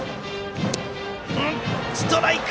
ストライク！